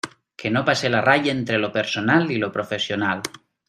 que no pase la raya entre lo personal y lo profesional.